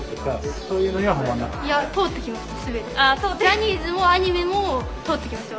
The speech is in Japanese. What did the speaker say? ジャニーズもアニメも通ってきました